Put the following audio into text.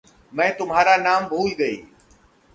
मैं तुम्हारा नाम भूल गयी।